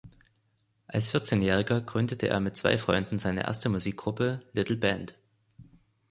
Als Vierzehnjähriger gründete er mit zwei Freunden seine erste Musikgruppe „Little Band“.